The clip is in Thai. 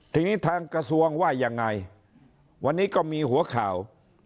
ทีนี้ทางกระทรวงว่ายังไงวันนี้ก็มีหัวข่าว